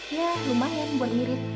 iya lumayan buat mirip